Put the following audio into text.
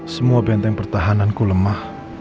semua benteng pertahananku lemah